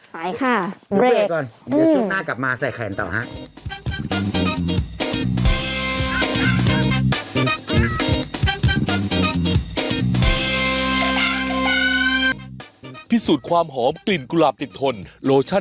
ไปค่ะเดี๋ยวไปก่อนเดี๋ยวชุดหน้ากลับมาใส่แขนต่อฮะ